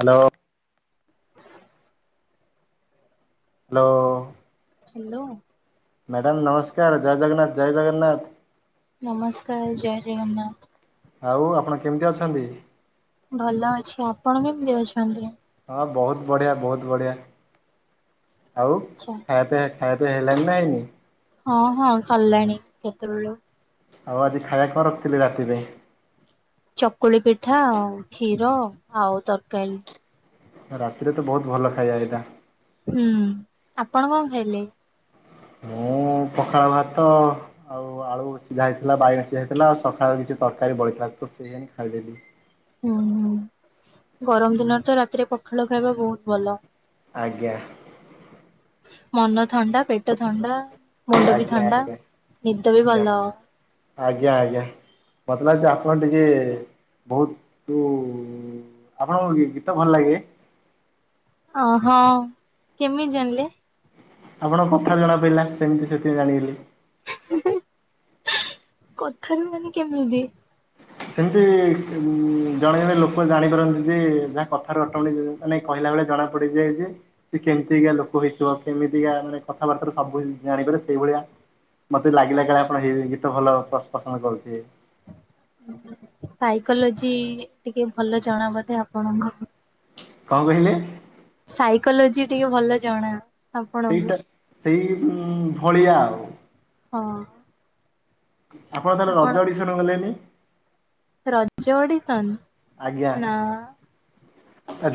Hello. Hello. Hello. Madam ନମସ୍କାର୍ ଜୟ ଜଗନ୍ନାଥ, ଜୟ ଜଗନ୍ନାଥ। ନମସ୍କାର୍ ଜୟ ଜଗନ୍ନାଥ। ଆଉ ଆପଣ କେମିତି ଅଛନ୍ତି? ଭଲ ଅଛି ଆପଣ କେମିତି ଅଛନ୍ତି? ହଁ ବହୁତ ବଢ଼ିଆ ବହୁତ ବଢ଼ିଆ ଆଉ ଆଚ୍ଛା ଖାଇବା ଫେ-ଫେ ଖାଇବା ପିଇବା ହେଲଣି ନା ହେଇନି? ହଁ ହଁ ସରିଲାଣି କେତେବେଳୁ। ଆଉ ଆଜି ଖାଇବା କଣ ରଖିଥିଲେ ରାତି ପାଇଁ। ଚକୁଳି ପିଠା ଆଉ କ୍ଷୀର ଆଉ ତରକାରୀ। ରାତିରେ ତ ବୋହୁତ୍ ଭଲ ଖାଇବା ଏଇଟା। ହୁଁ ଆପଣ କଣ ଖାଇଲେ? ମୁଁ ପଖାଳ ଭାତ ଆଉ ତ ଆଳୁ ସିଝା ହେଇଥିଲା ବାଇଗଣ ସିଝା ହେଇଥିଲା। ଆଉ ସକାଳୁ କିଛି ତରକାରୀ ବଢିଥିଲା ତ ସେଇ ହେନ ଖାଇଦେଲି। ହୁଁ ହୁଁ ଗରମ୍ ଦିନରେ ତ ରାତିରେ ପଖାଳ ଖାଇବା ବୋହୁତ୍ ଭଲ। ଆଜ୍ଞା। ମନ ଥଣ୍ଡା ପେଟ ଥଣ୍ଡା ମୁଣ୍ଡ ବି ଆଜ୍ଞା ଥଣ୍ଡା ଆଜ୍ଞା ନିଦ ବି ଆଜ୍ଞା। ଭଲ। ଆଜ୍ଞା ଆଜ୍ଞା ମତେ ଲାଗୁଛି ଆପଣ ଟିକେ ବୋହୁତୁ ଆପଣଙ୍କ ଗୀତ ଭଲ ଲାଗେ। ହଁ -ହଁ କେମିତି ଜାଣିଲେ? ଆପଣ କଥା ଜଣାପଡ଼ିଲା ସେମିତି ସେଥିପାଇଁ ଜାଣିଗଲି। [unintelligible] କଥାରେ ମାନେ କେମିତି? ସେମିତି ଉ ଜଣେ ଜଣେ ଲୋକ ଜାଣିପାରନ୍ତି ଯେ ଯାହା କଥାରେ ଅଟମେଟିକ୍ ନାଇଁ କହିଲା ବେଳେ ଜଣା ପଡିଯ ଯେ ସେ କେମିତିକା ଲୋକ ହେଇଥିବ କେମିତିକା ମାନେ କଥାବାର୍ତ୍ତାରେ ସବୁ ଜାଣିପାରେ ସେଇଭଳିଆ ମତେ ଲାଗିଲା କାଳେ ଆପଣ [unintelligible] ଗୀତ ଭଲ ପସନ୍ଦ କରୁଥିବେ। ସାଇକୋଲୋଜି ଟିକେ ଭଲ ଜଣା ବୋଧେ ଆପଣଙ୍କ? କଣ କହିଲେ? ସାଇକୋଲୋଜି ଟିକେ ଭଲ ଜଣା। ଆପଣଙ୍କୁ ସେଇଟା ସେଇ ଭଳିଆ ଆଉ। ହଁ ଅଁ। ଆପଣ ତାହଲେ ରଜ ଅଡିଶନ ଗଲେନି? ରଜ ଅଡ଼ିସନ? ଆଜ୍ଞା।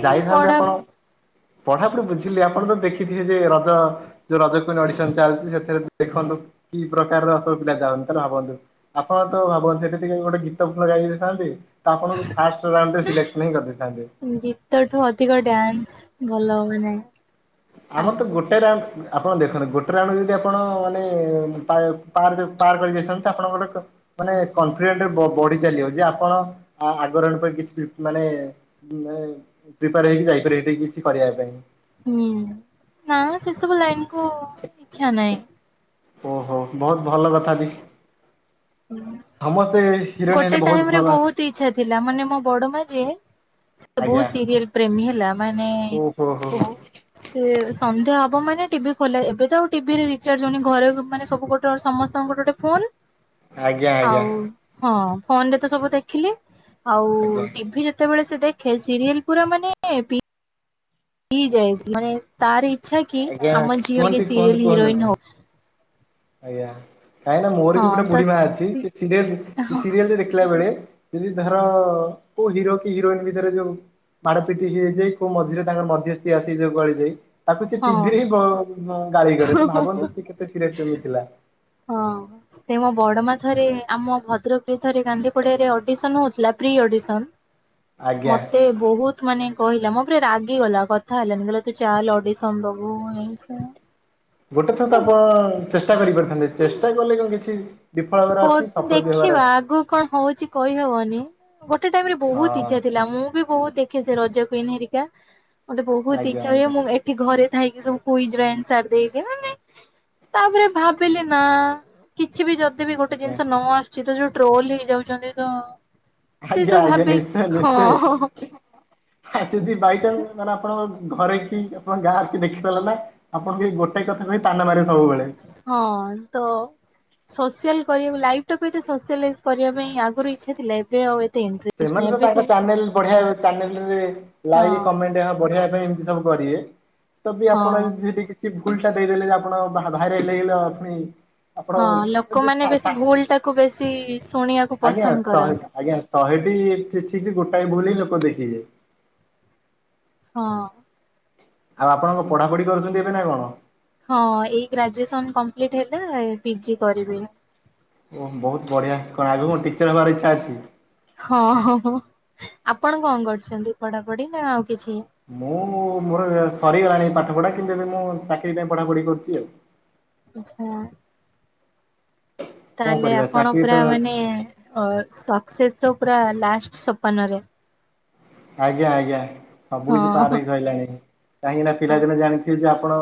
ଏଇ ଯାଇଥାନ୍ତେ ପଢା ଆପଣ ପଢାପଢି ବୁଝିଲେ ଆପଣ ତ ଦେଖିଥିବେ ଯେ ରଜ ଯୋଉ ରଜ କୁଇନ ଅଡିସନ ଚାଲିଚି ସେଥିରେ ଦେଖନ୍ତୁ କି ପ୍ରକାର ର ସବୁ ପିଲା ଯାଆନ୍ତି ତାହାଲେ ଭାବନ୍ତୁ ଆପଣ ତ ଭାବନ୍ତି ସେଠି ଟିକେ ଗୋଟେ ଗୀତ ଭଲ ଗାଇ ଦେଇ ଦେଇଥାନ୍ତି ତ ଆପଣଙ୍କୁ ଫାଷ୍ଟ ରାଉଣ୍ଡ ରେ ସିଲେକ୍ସନ ହିଁ କରିଦେଇଥାନ୍ତେ। ଗୀତଠୁ ଅଧିକ ଡ୍ୟାନ୍ସ ଭଲ ହୁଏ ନାହିଁ। ଆମର ତ ଗୋଟେ ରାଉଣ୍ଡ ମା ଆପଣ ଦେଖନ୍ତୁ ଗୋଟେ ରାଉଣ୍ଡ ଯଦି ଆପଣ ମାନେ ପା ପାର ପାର କରିଯାଇଥାନ୍ତେ ଆପଣ କ ମାନେ କନଫିଡେଣ୍ଟ ରେ ବଢି ଚାଲିବ ଯେ ଆପଣ ଆଗର କିଛି ମାନେ ନାଇଁ ପ୍ରିପାର ହେଇକି ଯାଇପାରିବ ହେଠି କିଛି କରିବା ପାଇଁ ହୁଁ ନା ସେ ସବୁ ଲାଇନ କୁ ଇଚ୍ଛା ନାହିଁ। ଓହୋ ବହୁତ ଭଲ କଥା ବି। ହୁଁ। ସମସ୍ତେ ହି ଗୋଟେ ଟାଇମ ରେ ବହୁତ ଇଛା ଥିଲା ମାନେ ମୋ ବଡ ମା ଯିଏ ସେ ଆଜ୍ଞା ବହୁ ସିରିଏଲ ପ୍ରେମୀ ହେଲା ମାନେ ଓହୋ ହୋ ହୋ ବହୁତ ସେ ସନ୍ଧ୍ୟା ହବ ମାନେ ଟିଭି ଖୋଲା ଏବେ ତ ଆଉ ଟିଭିରେ ରିଚାର୍ଜ ହଉନି ଘରେ ମାନେ ସବୁ ଗୋ ତ ସମସ୍ତଙ୍କର ଗୋଟେ ଗୋଟେ ଫୋନ ଆଜ୍ଞା ଆଜ୍ଞା ଆଉ ହଁ ଫୋନ ରେ ତ ସବୁ ଦେଖିଲେ ଆଉ ଆଜ୍ଞା ଟିଭି ରେ ଯେତେବେଳେ ସେ ଦେଖେ ସିରିଏଲ ପୁରା ମାନେ ପି ପି ଯାଏ ମାନେ ତାର ଇଚ୍ଛା କି ଆଜ୍ଞା ଆମ ଝିଅ ମାନେ କୁହନ୍ତି କିଏ କୁହନ୍ତି ସିରିଏଲ କୁହନ୍ତୁ ନା ହିରୋଇନ ହଉ। ଆଜ୍ଞା କାହିଁକି ନା ମୋର ବି ଗୋଟେ ହଁ ତ ବୁଢୀ ମା ଅଛି ସେ ସିରିଲ ହଁ ସିରିଏଲ ଦେଖିଲା ବେଳେ ଯଦି ଧର ଅ -କୋଉ ହିରୋ କି ହିରୋଇନ ଭିତରେ ଯୋଉ ମାଡ ପିଟି ହେଇଯାଇ କୋଉ ମଝିରେ ତାଙ୍କର ମଧ୍ୟସ୍ଥି ଆସି [unintelligible] ଦେଇ ତାକୁ ସେ ହଁ ଟିଭିରେ ହିଁ ଗାଳି କରେ ତ ଭାବନ୍ତୁ ସେ କେତେ ସିରିଏଲ ପ୍ରେମୀ ଥିଲା। ହଁ ସେ ମୋ ବଡମା ଥରେ ଆମ ଭଦ୍ରକରେ ଥରେ ଗାନ୍ଧି ପଡିଆରେ ଅଡିସନ ହଉଥିଲା ପ୍ରି ଅଡ଼ିସନ୍ ଆଜ୍ଞା ମତେ ବହୁତ ମାନେ କହିଲା ମୋ ଉପରେ ରାଗିଗଲା କଥା ହେଲାନି କହିଲ ତୁ ଚାଲେ ଅଡିସନ ଦବୁ ଏଇ ସିଏ ଗୋଟେ ଥର ତ ଆପ ଚେଷ୍ଟା କରିପାରିଥାନ୍ତେ ଚେଷ୍ଟା କଲେ କଣ କିଛି ବିଫଳ କ ହେବାର ଅଛି ସଫଳ ବି ଦେଖିବା ହେବାର ଅଛି। ଆଗକୁ କଣ ହଉଚି କହି ହବନି ଗୋଟେ ଟାଇମ ରେ ହଁ ବହୁତ ଇଚ୍ଛା ଥିଲା ମୁଁ ବି ବହୁତ ଦେ ଖେ ସେ ରଜ କୁଇନ ହେରିକା ମତେ ବହୁତ ଆଜ୍ଞା ଇଛା ହୁଏ ଆଜ୍ଞା ମୁଁ ଠି ଘରେ ଥାଇକି ସବୁ କୁଇଜ୍ ର ଆନସାର ଦେଇ ଦିଏ। ମାନେ ତାପରେ ଭାବିଲି ନା କିଛି ବି ଯଦ ମୋତେ ବି ଗୋଟେ ଆଜ୍ଞା ଜିନିଷ ନ ଆସୁଛି ତ ଯୋଉ ଟ୍ରୋଲ ହେଇଯାଉଛନ୍ତି ତ ସେ ଆଜ୍ଞା ସବୁ ଆଜ୍ଞା। ଭାବେ ନିଶ୍ଚୟ ହଁ ନିଶ୍ଚୟ। ଆ ଯଦି ବାଇଚାନ୍ସ୍ ମାନେ ଆପଣ ଘରେ କି ଆପଣ ଗାଁର କି ଦେଖି ଦେଲା ନା ଆପଣଙ୍କୁ ଏ ଗୋଟା କଥା କହି ତାନା ମାରିବ ସବୁବେଳେ। ହଁ, ତ ସୋସିଆଲ କରିବାକୁ ଲାଇଫଟାକୁ ଏତେ ସୋଆଲାଇଜ୍ କରିବା ପାଇଁ ଆଗରୁ ଇଚ୍ଛା ଥିଲା। ଏବେ ଆଉ ଏତେ ଇଣ୍ଟରେଷ୍ଟ ସେମାନେ ନାହିଁ ତ ଏବେ ତାଙ୍କ ସବୁ ଚ୍ୟାନେଲ୍ ବଢିଆ ଚ୍ୟାନେଲରେ ହଁ ଲାଇକ୍ କମେଣ୍ଟ ଏଆ ବଢିଆ ଏମିତି ସବୁ କରିବେ। ଯଦି ଆପଣ ହଁ। ଏମିତି କିଛି ସେ ଭୁଲଟା ଦେଇଦେଲେ ଯେ ଆପଣ ଭା-ଭାଇରାଲ ହୋଇଗଲ ପୁଣି ଆପଣ ହଁ ଲୋକମାନେ ବେଶୀ ଭୁଲ ଟାକୁ ବେଶୀ ଶୁଣିବାକୁ [unintelligible] ଆଜ୍ଞା ପସନ୍ଦ କରନ୍ତି। [unintelligible] ଶହେଟି ଠିକ୍ [unintelligible] ଗୋଟାଏ ଭୁଲି ହିଁ ଲୋକ ଦେଖିିବେ। ହଁ। ଆଉ ଆପଣଙ୍କ ପଢାପଢି କରୁଛନ୍ତି ଏବେ ନା କଣ? ହଁ ଏଇ ଗ୍ରାଜୁଏସନ କମ୍ପ୍ଲିଟ୍ ହେଲା ପିଜି କରିବି ଏଇନା। ଓହୋ ବହୁତ ବଢ଼ିଆ। କଣ ଆଗକୁ ଟିଚର୍ ହବାର ଇଚ୍ଛା ଅଛି? ହଁ ଆପଣ କଣ କରୁଛନ୍ତି ପଢାପଢି ନା ଆଉ କିଛି? ମୁଁ ମୋର ସରିଗଲାଣି ପାଠ ପଢା କିନ୍ତୁ ଏବେ ମୁଁ ଚାକିରି ପାଇଁ ପଢାପଢି କରୁଛି ଆଉ। ଆଚ୍ଛା। ତା କଣ ହେଲେ କରିବା ଆପଣ ଚାକିରି ପୁରା ତ ମାନେ ଅ-ସକ୍ସେସର ପୁର ଲାଷ୍ଟ ସୋପାନରେ। ଆଜ୍ଞା ଆଜ୍ଞା। ସବୁ ହଁ କିିଛି ପାର ହେଇ ସାଇଲାଣି କାହିଁକି ନା ହଁ ପିଲାଦିନେ ଜାଣିଥିବେ ଯେ ଆପଣ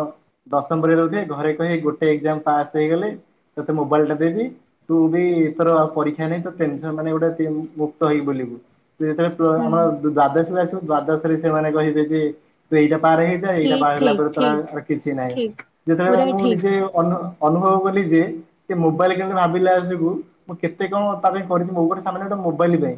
ଦଶମ ପରେ ଦଉ ଘରେ କହି ଗୋଟେ ଏଜାମ ପାସ୍ ହେଇଗଲେ ତତେ ମୋବାଇଲ ଟା ଦେବି। ତୁ ବି ଏଥର ପରୀକ୍ଷା ପାଇଁ ତତେ ଏକ୍ଜାମ୍ ମାନେ ଗୋଟେ ମୁକ୍ତ ହେଇ ବୁଲିବୁ। ତୁ ଯେତେବେଳେ ପ୍ଲ ହୁଁ ଆମର ଦ୍ୱାଦଶକୁ ଆସିବୁ, ଦ୍ଵାଦଶରେ ସେମାନେ କହିବେ ଯେ ତୁ ଏଇଟା ପାର୍ ହେଇଯା ଏଇଟା ଠିକ ପାର୍ ହେଲା ଠିକ ପରେ ତୋର ଠିକ। ଆଉ କିଛି ନାହିଁ। ଠିକ ଯେତେବେଳେ ପୁରା ମୁଁ ଠିକ ନିଜେ ଅନୁଭ ଅନୁଭବ କଲି ଯେ ସେ ମୋବାଇଲ୍ କେବେ ଭାବିଲେ ଆସବୁ ମୁଁ କେତେ କଣ ତା ପାଇଁ କରିଛି ମୋର ସାନ ଭାଇଟା ଗୋଟେ ମୋବାଇଲ୍ ପାଇଁ।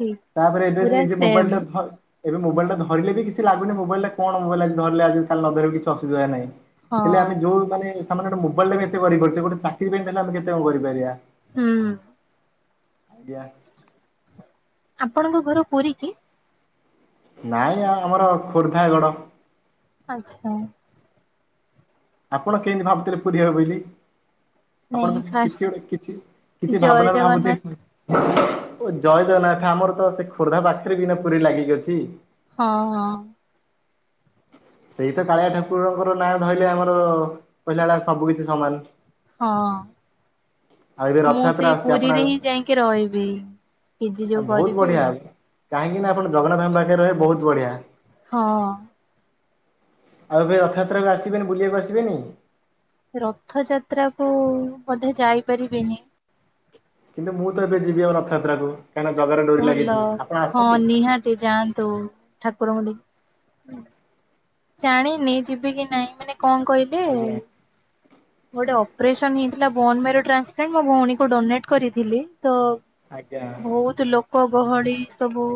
ହୁଁ। ତା ପରେ ଏବେ ଯେ-ନିଜେ ମୋବାଇଲଟା ଧ ଏବେ ମୋବାଇଲଟା ଧରିଲେ ବି କିଛି ଲାଗୁନି ମୋବାଇଲ ଟା କଣ? ମୋବାଇଲ ଧରିଲେ ଆଜି କାଲି ନ ଧଇଲେ କିଛି ଅୁବିଧା ନାହିଁ। ହଁ। ହେଲେ ଆମେ ଯୋଉ ମାନେ ସାମାନ୍ୟ ଗୋଟେ ମୋବାଇଲଟା ପାଇଁ ଏତେ କରିପାରୁଚେ, ଗୋଟେ ଚାକିରୀ ପାଇଁ ତା ହେଲେ ଆମେ କେତେ କଣ କରିପାରିବା? ହୁଁ। ଆଜ୍ଞା। ଆପଣଙ୍କ ଘର ପୁରୀ କି? ନାଇଁ ଆ-ଆମର ଖୋର୍ଦ୍ଧାଗଡ଼। ଆଚ୍ଛା। ଆପଣ କେଏନ୍ତି ଭାବୁଥିଲେ ପୁରୀ ହବ ବିଲି? ଆପଣ ନାଇଁ କିଛି ଗୋଟେ ଫାଷ୍ଟ କିଛି କିଛି ଜୟ ଭାବନାର ଭାବନ୍ତି। ଜଗନ୍ନାଥ ଏ ଜୟ ଜଗନାଥ ଆମର ତ ସେ ଖୋର୍ଦ୍ଧା ପାଖରେ ବି ନା ପୁରୀ ଲାଗିକି ଅଛି। ହଁ ହଁ। ସେଇ ତ କାଳିଆ ଠାକୁରଙ୍କ ନାଁ ଧଇଲେ ଆମର କହିଲା ଭଳିଆ ସବୁ କିଛି ସମାନ। ହଁ। ଆଉ ଏବେ ମୁଁ ରଥଯାତ୍ରା ସେଇ ଆସୁଛି ଆପଣ ପୁରୀରେ ହିଁ ଯାଇକି ରହିବି, ପିଜି ଆଉ ଯୋଉ ବହୁତ କରିବି। ବଢିଆ କାହିଁକି ନା ଆପଣ ଜଗନାଥଙ୍କ ପାଖରେ ରହିବେ ବହୁତ ବଢିଆ। ହଁ। ଆଉ ଏବେ ରଥଯାତ୍ରାକୁ ଆସିବେନି ବୁଲିବାକୁ ଆସିବେନି? ରଥ ଯାତ୍ରାକୁୁ ବୋଧେ ଯାଇପାରିବିନି। କିନ୍ତୁ ମୁଁ ତ ଏବେ ଯିବି ଆଉ ରଥଯାତ୍ରା କୁ କାହିଁକିନା ଜଗାର ଡୋରି ଲାଗିଚି ଆପଣ ଆସନ୍ତୁ। କି ଯାଆନ୍ତୁ ଠାକୁର ମଣ୍ଡି। ଜାଣିନି ଯିବି କି ନାଇଁ ମାନେ କଣ କହିଲେ? ଆଜ୍ଞା। ଗୋଟେ ଅପରେସନ ହେଇଥିଲା ବୋନ ମ୍ୟାରୋ ଟ୍ରାନ୍ସପ୍ଲାଣ୍ଟ ମୋ ଭଉଣୀକୁ ଡୋନେଟ୍ କରିଥିଲି ତ। ଆଜ୍ଞା ବହୁତ୍ ଲୋକ ଗହଳି ସବୁ।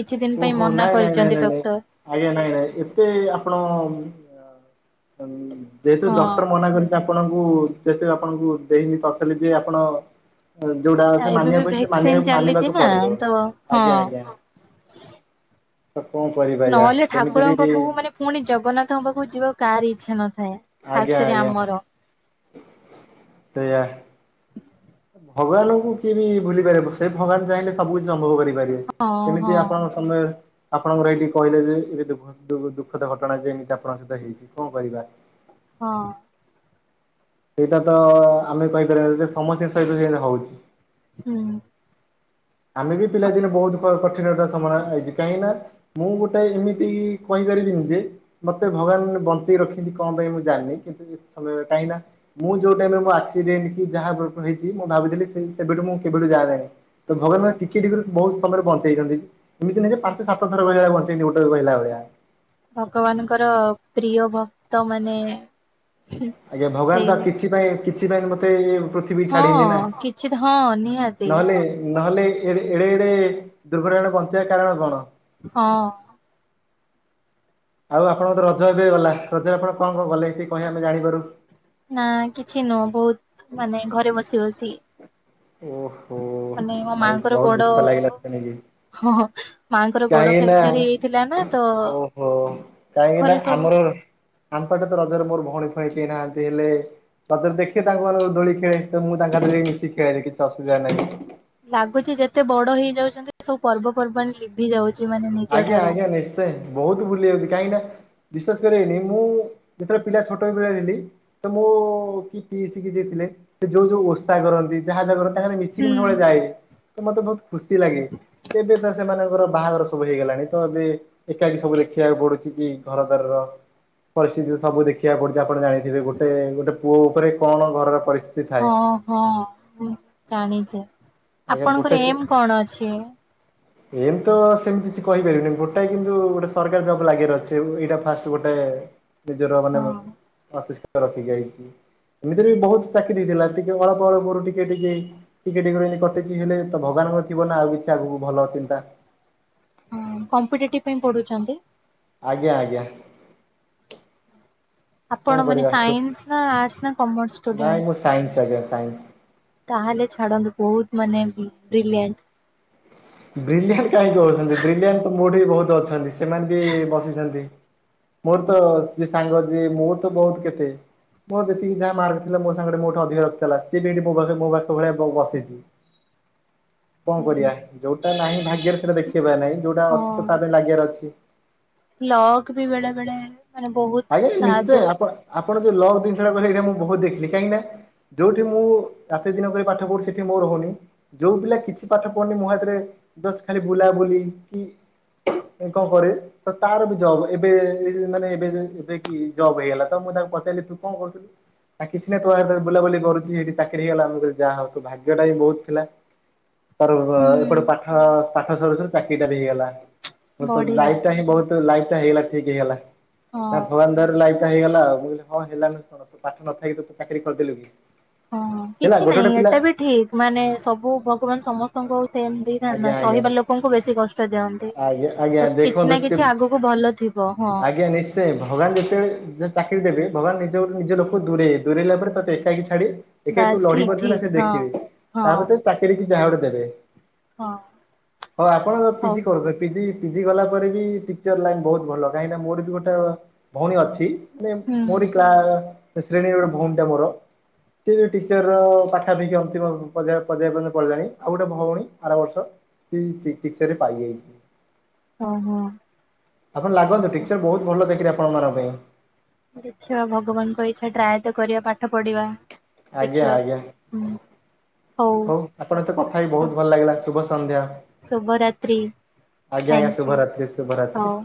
କିଛି ଦିନ ପାଇଁ ଓହୋ ମନା ନାଇଁ ନାଇଁ ନାଇଁ କରିଚନ୍ତି ନାଇଁ ନାଇଁ ଡକ୍ଟର। ଆଜ୍ଞା ନାଇଁ ନାଇଁ ଏବେ ଆପଣ ଯେହେତୁ ହଁ। ଡକ୍ଟର ମନା କରି ସେ ଆପଣଙ୍କୁ ଯେତେବେ ଆପଣଙ୍କୁ ଦେଇନି ତସଲି ଯେ ଆପଣ। ଯୋଉଟା ସେ ଏବେ ବି ମାନିବାକୁ କହିଥିଲେ ଭ୍ୟାକ୍ସିନ ଚାଲିଛି ମାନିବାକୁ ନା ପଡିବ ତ ହଁ। ଆଜ୍ଞା ଆଜ୍ଞା। ତ କଣ କରିବି। ନହଲେ ଠାକୁରଙ୍କ ପାଖୁକୁ ମାନେ ଫୁଣି ଜଗନ୍ନାଥଙ୍କ ପାଖୁକୁ ଯିବାକୁ କାହାରି ଇଚ୍ଛା ନଥାଏ। ଖାସ ଆଜ୍ଞା କରି ଆଜ୍ଞା ଆମର ସେୟା। ଭଗବାନଙ୍କୁ କିଏ ବି ଭୁଲି ପାରିବେ ସେ ଭଗବାନ ଚାହିଁଲେ ସବୁ କିଛି ଅନୁଭବ କରିପାରିବେ ହଁ ସେମିତି ହଁ ଆପଣ। ତମେ ଆପଣଙ୍କର ଏଇଠି କହିଲେ ଯେ ଏ [unintelligible] [unintelligible] ଦୁଃଖଦ ଘଟଣା ଯେ ଏମିତି ଆପଣଙ୍କ ସହିତ ହେଇଚି କଣ କରିବା। ହଁ। ସେଇଟା ତ ଆମେ କହିପାରିବାନି ଏବେ ସମସ୍ତଙ୍କ ସହିତ ସେଇଟା ହଉଚି। ହୁଁ। ଆମେ ବି ପିଲାଦିନେ ବହୁତ କ କଠିନତା ସମୟରା ଆଇଚି କାହିଁକି ନା। ମୁଁ ଗୋଟାଏ ଏମିତି କହିପାରିବିନି ଯେ। ମତେ ଭଗବାନ ମତେ ବଞ୍ଚେଇ ରଖିଚନ୍ତି କଣ ପାଇଁ ମୁଁ ଜାଣିନି କିନ୍ତୁ ଏ ଏବେ କାହିଁନା ମୁଁ ଯୋଉ ଟାଇମରେ ମୋ ଆକସିଡେଣ୍ଟ କି ଯାହା ହେଇଚି ମୁଁ ଭାବିଥିଲି ସେଇ ସେବେଠୁ ମୁଁ କେବେଠୁ ଯା ରାରା ତ ଭଗବାନ ମତେ ଟିକେଟିକେ ରୁ ବହୁ ସମୟରେ ବଞ୍ଚେଇଛନ୍ତି ଏମିତି ନାହିଁ ଯେ ପାଞ୍ଚ ସାତ ଥର ଭଳିଆ ବଞ୍ଚେଇଚି ଗୋଟେ କହିଲା ଭଳିଆ। ଭଗବାନଙ୍କର ପ୍ରିୟ ଭକ୍ତ ମାନେ। ଆଜ୍ଞା ଭଗବାନ ତ ସେଇଲେ କିଛି ପାଇଁ କିଛି ପାଇଁ ବି ମତେ ଏ ଏ ପୃଥି ଥିବି ହଁ ଛାଡ଼ିନି ନା କିଛି ହଁ ନିହାତି ନହଲେ ନହଲେ। ଏ ଏଡେ ଏଡେ ଦୁର୍ଘଟଣା ରୁ ବଞ୍ଚେଇବା କାରଣ କଣ। ହଁ। ଆଉ ଆପଣଙ୍କ ତ ରଜ ଏବେ ଗଲା ରଜ ଆପଣ କଣ କଣ କଲେ ଟିକେ କହିଲେ ଆମେ ଜାଣିପାରୁ। ନା କିଛି ନୁହଁ ବହୁତ୍ ମାନେ ଘରେ ବସି ବସି। ଓହୋ ମାନେ ମୋ ମାଇଁ ମାଙ୍କର ଗଡ୍ ଗୋଡ ଦୁଃଖ ଲାଗିଲା ଶୁଣିକି। ହଁ ମାଙ୍କର ଗୋଡ କାହିଁକି ନା ଫ୍ୟାକ୍ଚର ହେଇଯାଇଥିଲା ନା ତ। ଓହୋ କାହିଁକି ନା ଘରେ ସବୁ ଆମର ଆମ ପାଖେ ତ ରଜରେ ମୋର ଭଉଣୀ ଫଉଣୀ କେହି ନାହାନ୍ତି ହେଲେ। ତତେ ଦେଖେ ତାଙ୍କୁ ମାନଙ୍କୁ ଦୋଳି ଖେଳେ ତ ମୁଁ ତାଙ୍କସାଥିରେ ମିଶି ଖେଳେ ଯେ କିଛି ଅସୁବିଧା ନାହିଁ। ଲାଗୁଛି ଯେତେ ବଡ ହେଇଯାଉଛନ୍ତି ସବୁ ପର୍ବପର୍ବାଣି ଲି ଭି ଯାଉଛି ମା ଆଜ୍ଞା ଆଜ୍ଞା ନିଶ୍ଚୟେ ବହୁତ ବୁଲି ଯାଉଛି କାହିଁକି ନା। ବିଶ୍ୱାସ କରିବେନି ମୁଁ ଯେତେବେଳେ ପିଲା ଛୋଟ ପିଲା ଥିଲି। ତ ମୁଁ କି ପିଇସିକି ଦେଖିଲେ ସେ ଯୋଉ ଯୋଉ ଓଷା କରନ୍ତି। ଯାହା ଜାଗର ତାଙ୍କ ସାଥେ ମିଶିକି ହୁଁ। ମୁଁ ସବୁବେଳେ ଯାଏ। ତ ମତେ ବହୁତ ଖୁସି ଲାଗେ ଏବେ ତ ସେମାନଙ୍କର ବାହାଘର। ସବୁ ହେଇଗଲାଣି ତ ଏବେ ଏକାକି ସବୁ ଲେଖିବାକୁ ପଡୁଛି କି ଘର ଦ୍ୱାର ର। ପରିସ୍ଥିତି ସବୁ ଦେଖିବାକୁ ପଡୁଛି ଆପଣ ଜାଣିଥିବେ ଗୋଟେ ଗୋଟେ ପୁଅ ଉପରେ କଣ ଘରର ପରିସ୍ଥି ହଁ ହଁ ମୁଁ ଜାଣିଛେ। ଆଜ୍ଞା ଗୋଟେ ଚେ ଏମିତ ସେମିତି କିଛି କହିପାରିବନି ଗୋଟା କିନ୍ତୁ ଗୋଟେ ସରକାରୀ ଜବ ଲାଗିର ଅଛି। ଏଇଟା ଫାଷ୍ଟ ଗୋଟେ ନିଜର ମାନେ ହଁ [unintelligible] ଅତିଷ୍କ ରଖି ଯାଇଛି। ଏମିତିରେ ବି ବହୁତ ଚାକିରି ଦେଇଥିଲା ଟିକେ ଅଳ୍ପ ଅଳରୁ ଟିକେ ଟିକେ ଟିକେ ଟିକେ [unintelligible] ହେଲେ ତ ଭଗବାନଙ୍କ ଥିବ ନା ଆଉ କିଛି ଆଗକୁ ଭଲ ଚିନ୍ତା। ହଁ କମ୍ପିଟେଟିଭ୍ ପାଇଁ ପଢୁଛନ୍ତି? ଆଜ୍ଞା ଆଜ୍ଞା! କଣ ଆପଣ ମାନେ କରିବା ସେ ସାଇନ୍ସ ନା ଆର୍ଟସ୍ ନା କମର୍ସ ନାଇଁ ଷ୍ଟୁଡେଣ୍ଟ୍? ମୁଁ ସାଇନ୍ସ ଆଜ୍ଞା ସାଇନ୍ସ। ତାହେଲେ ଛାଡ଼ନ୍ତୁ ବହୁତ୍ ମାନେ ବି ବ୍ରିଲିଏଣ୍ଟ। ବ୍ରିଲିଏଣ୍ଟ କାହିଁକି କହୁଛନ୍ତି ବ୍ରିଲିଏଣ୍ଟ ମୋଠୁ ବହୁତ୍ ଅଛନ୍ତି ସେମାନେ ବି ବସିଛନ୍ତି। ମୋର ତ ଯିଏ ସାଙ୍ଗ ଯିଏ ମୋଠୁ ତ ବହୁ କେତେ। ମୋର ଯେତିକି ଯାହା ମାର୍କ ଥିଲା ମୋ ସାଙ୍ଗରେ ମୋଠୁ ଅଧିକ ରଖିଥିଲା। ସିଏ ବି ଏଇଠି ମୋ ପାଖ ମୋ ପଖରେ ବୋକାଙ୍କ ଭଳିଆ ବସିଛି। କଁ କରିବା ଯୋଉଟା ନାହିଁ ଭାଗ୍ୟରେ ସେଟା ଦେଖେଇବା ନାହିଁ ଯୋଉଟା ଅଛି ତ ତା ହଁ ପାଇଁ ଲାଗିବାର ଅଛି। ଲକ୍ ବି ବେଳେବେଳେ ଆଜ୍ଞା ନିଶ୍ଏ ଆପଣ ଯଉ ଲକ୍ ଜିନିଷଟା କହିଲେ ଏଇଟା ମୁଁ ବହୁତ ଦେଖିଲି କାହିଁକି ନା ଯୋଉଠି ମୁଁ ରାତି ଦିନ କରି ପାଠ ପଢୁଛି ସେଠି ମୋର ହଉନି। ଯୋଉ ପିଲା କିଛି ପାଠ ପଢ଼ୁନି ମୋ ସାଥିରେ ଜଷ୍ଟ ଖାଲି ବୁଲାବୁଲି କି କଣ କରେ ତ ତାର ବିଜୟ ହବ ଏବେ ଏଇ ମାନେ ଏବେଏବେ ଏବେ କି ଜବ୍ ହେଇଗଲା। ତ ମୁଁ ତାକୁ ପଚାରଲିି ତୁ କଣ କରୁଚୁ? ଆ କିଛି ନାଇ ତୁ ସାଥିରେ ବୁଲାବୁଲି କରୁଛି ଏଇଠି ଚାକିରି ହେଇଗଲା। ମୁଁ କହିଲି ଯାହା ହଉ ତୋ ଭାଗ୍ୟଟା ବି [unintelligible] ଥିଲା। ତାର ବ ହୁଁ ଏପଟେଞ ପାଠ ପାଠ ସରୁସରୁ ଚାକିରିଟା ବି ହେଇଗଲା। ତୋ ବଢିଆ ଲାଇଫଟା ହିଁ ବହୁତ ତୋ ଲାଇଫଟା ହେଇଗଲା ଠିକ୍ ହେଇଗଲା। ନା ହଁ। ଭଗବାନ ଦୟାରୁ ଲାଇଫଟା ହେଇଗଲା ଆଉ ମୁଁ କହିଲି ହଁ ହେଲା ସତ କଥା ତୁ ପାଠ ନଥାଇକି ତୁ ଚାକିରିଟା କରିଦେଲୁ। ହଁ ହେଲା କିଛି ଗୋଟେ ଗୋଟେ ନାଇଁ ପିଲା ଏଟା ବି ଠିକ୍ ମାନେ ସବୁଞ ଭଗବାନ ସମସ୍ତ୍ ଙ୍କୁ ସେମ୍ ଦେଇଥାନ୍ତି ଆଜ୍ଞା ନା ଆଜ୍ଞା ସହିବା ଲୋକଙ୍କୁ ବେଶୀ କଷ୍ଟ ଦିଅନ୍ତି। ଆଜ୍ଞା ଆଜ୍ଞା ତ କିଛି ଦେଖନ୍ତୁ ନା କିଛି ଆଗକୁ ଭଲ ଥିବ ହଁ। ଆଜ୍ଞା ନିଶ୍ଚୟ ସେ ଭଗବାନ ଯେତେବେଳେ [unintelligible] ଚାକିରି ଦେବେ ଭଗବାନ ନିଜ ନିଜ ଲୋକ ଦୂରେଇବେ ଦୂରେଇଲା ପରେ ତତେ ଏକାକି ଛାଡ଼ିବେ। ଏକା ତୁ ବାସ୍ ଲଢି ଠିକ ପାରୁଚୁ ନା ସେ ଠିକ ଦେଖିବି। ହଁ। ତାପରେ ସେ ଚାକିରି କି ଯାହା ଗୋଟେ ଦେବେ। ହଁ! ହଁ ଆପଣ ତ ହଉ ପିଜି କରିବେ? ପିଜି ପିଜି କଲା ପରେ ବି ଟିକ୍ଚର ଲାଇନ୍ ବହୁତ୍ ଭଲ କାହିଁକିନା ମୋର ବି ଗୋଟେ ଭଉଣୀ ଅଛି। ମାନେ ହୁଁ ମୋରି ଗାଁର ଶ୍ରେଣୀର ଭଉଣିଟା ମୋର। ସିଏ ବି ଟିଚର ପାଖାପାଖି ଅନ୍ତିମ ପଯ୍ୟୟ ପର୍ଯ୍ୟ ମାନେ ପଢ଼ିଲାଣି। ଆଉ ଗୋଟେ ଭଉଣୀ ଆର ବର୍ଷ ସିଏ ଟି ଟିଚରରେ ପାଇଯାଇଛି। ହଁ ହଁ! ଆପଣ ଲାଗନ୍ତୁ ଟିଚର ବହୁତ୍ ଭଲ ଦେଖିଲେ ଆପଣ ମାନଙ୍କ ପାଇଁ। ଦେଖିବା ଭଗବାନଙ୍କ ଇଚ୍ଛା ଟ୍ରାଏ ତ କରିବା ପାଠ ପଢିବା। ଆଜ୍ଞା ଦେଖିବା ଆଜ୍ଞା ହୁଁ! ହଉ ଆପଣଙ୍କ କଥା ହେଇ ବହୁତ୍ ଭଲ ଲାଗିଲା ଶୁଭ ସନ୍ଧ୍ୟା। ଶୁଭରାତ୍ରି। ଆଜ୍ଞା! ଆଜ୍ଞା! ଥ୍ୟାଙ୍କୟୁ ଶୁଭରାତ୍ରି ଶୁଭରାତ୍ରି। ହଉ।